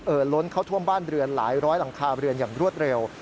ล้นเข้าท่วมบ้านเรือนหลายร้อยหลังคาเรือนอย่างรวดเร็ว